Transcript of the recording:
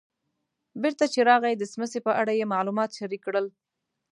بېرته چې راغی د څمڅې په اړه یې معلومات شریک کړل.